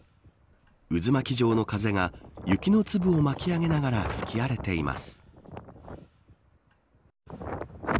渦巻き状の風が雪の粒を巻き上げながら吹き荒れています。